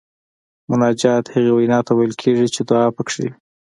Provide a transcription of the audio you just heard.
مناجات هغې وینا ته ویل کیږي چې دعا پکې وي.